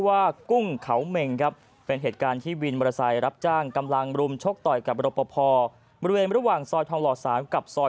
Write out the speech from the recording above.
ว่ากุ้งขาวเม็งครับเป็นเหตุการณ์ที่วินบริษัทรับจ้างกำลังบริมชกต่อยกับรบพ่อบริเวณระหว่างซอยสองหลอด๓กับซอย